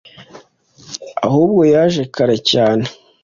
ahubwo yaje kare cyane